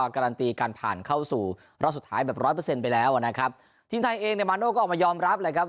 การันตีการผ่านเข้าสู่รอบสุดท้ายแบบร้อยเปอร์เซ็นต์ไปแล้วนะครับทีมไทยเองเนี่ยมาโน่ก็ออกมายอมรับเลยครับ